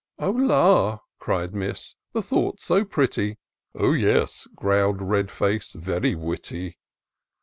" Oh, la!" cried Miss, " the thought's so pretty! "" Oh, yes!" growl'd Red face, " very witty